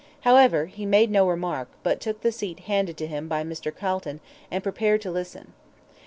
However, he made no remark, but took the seat handed to him by Mr. Calton and prepared to listen.